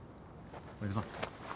行くぞ。